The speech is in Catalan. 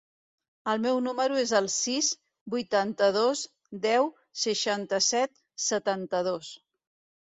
El meu número es el sis, vuitanta-dos, deu, seixanta-set, setanta-dos.